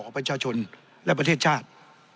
ประชาชนและประเทศชาติ